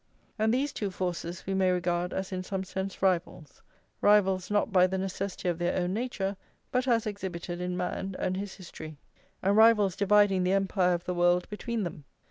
And these two forces we may regard as in some sense rivals, rivals not by the necessity of their own nature, but as exhibited in man and his history, and rivals dividing the empire of the world between them.